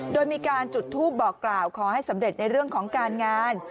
โดยมีการจุดทูปบอกกล่าวขอให้สำเร็จในเรื่องของการงาน